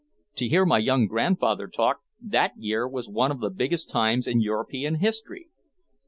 To hear my young grandfather talk, that year was one of the biggest times in European history.